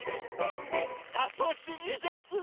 たのしみですね！